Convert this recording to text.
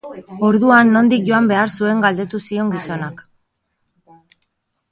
Orduan nondik joan behar zuen galdetu zion gizonak.